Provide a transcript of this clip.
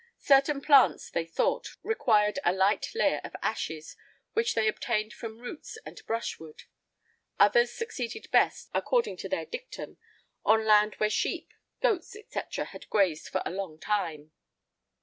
Certain plants, they thought, required a light layer of ashes, which they obtained from roots and brushwood;[I 37] others succeeded best, according to their dictum, on land where sheep, goats, &c., had grazed for a long time.